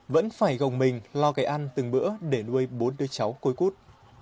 vẫn phải gồng mình lo cái ăn từng bữa để nuôi bốn đứa cháu côi cút